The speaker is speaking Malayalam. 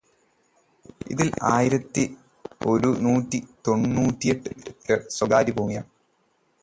ഇതില് ആയിരത്തി ഒരു നൂറ്റി തൊണ്ണൂറ്റിയെട്ട് ഹെക്ടര് സ്വകാര്യ ഭൂമിയാണ്.